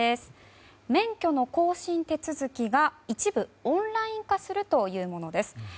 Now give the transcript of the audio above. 免許の更新手続きが一部オンライン化するというものです。